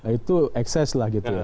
itu ekses lah gitu ya